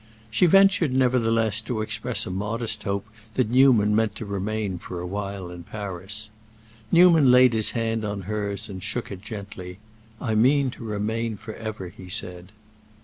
She ventured, nevertheless, to express a modest hope that Newman meant to remain a while in Paris. Newman laid his hand on hers and shook it gently. "I mean to remain forever," he said.